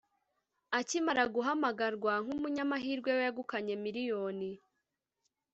Akimara guhamagarwa nk’umunyamahirwe wegukanye miliyoni